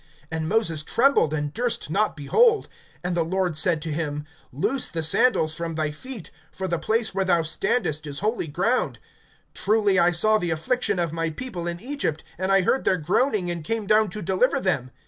And Moses trembled, and durst not behold. (33)And the Lord said to him: Loose the sandals from thy feet; for the place where thou standest is holy ground. (34)Truly, I saw the affliction of my people in Egypt, and I heard their groaning, and came down to deliver them.